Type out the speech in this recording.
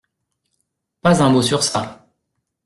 Pas un mot sur ça.